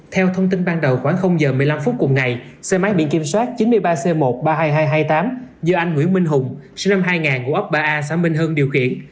theo thông tin ban đầu khoảng giờ một mươi năm phút cùng ngày xe máy biển kiểm soát chín mươi ba c một trăm ba mươi hai nghìn hai trăm hai mươi tám do anh nguyễn minh hùng sinh năm hai nghìn ngũ ấp ba a xã minh hưng điều khiển